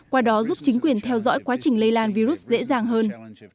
qua đó giúp chính quyền theo dõi quá trình lây lan virus dễ dàng hơn